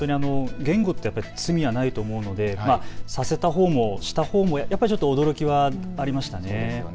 言語って罪はないと思うのでさせたほうしたほうもやっぱり驚きはありましたね。